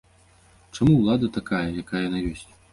Чаму ўлада такая, якая яна ёсць?